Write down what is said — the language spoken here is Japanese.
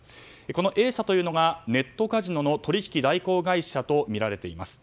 このＡ社というのがネットカジノの取引代行会社とみられています。